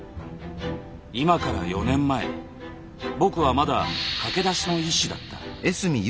今から４年前僕はまだ駆け出しの医師だった。